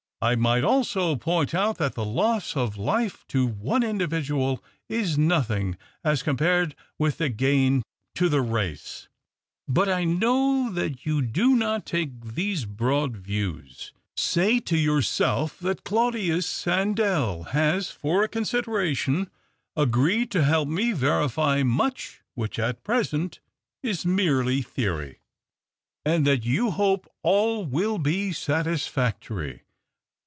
I might also point out that the loss of life to one individual is nothing, as compared with the gain to the race — but I know that you do not take these broad views. Say to yourself that Claudius Sandell has, for a consideration, agreed to help me to verify much which at present is merely theory. THE OCTAVE OF CLAUDIUS. 253 md that you hope all will be satisfactory.